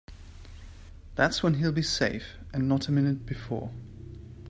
That's when he'll be safe and not a minute before.